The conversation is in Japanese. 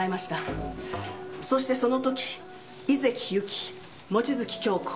そしてその時井関ゆき望月京子